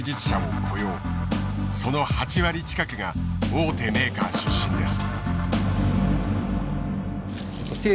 その８割近くが大手メーカー出身です。